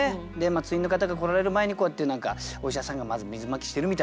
通院の方が来られる前にこうやってお医者さんがまず水まきしてるみたいな。